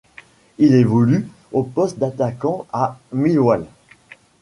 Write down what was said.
Il évolue au poste d'attaquant à Millwall.